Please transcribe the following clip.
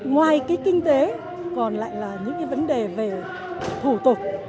ngoài cái kinh tế còn lại là những cái vấn đề về thủ tục